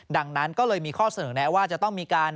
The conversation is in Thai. ดังนั้นก็เลยมีข้อเสนอแนะว่าจะต้องมีการ